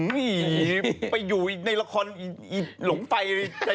หือไปอยู่ในละครหลงไฟ